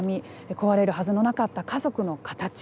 壊れるはずのなかった家族の形。